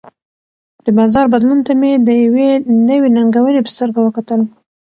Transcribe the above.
د بازار بدلون ته مې د یوې نوې ننګونې په سترګه وکتل.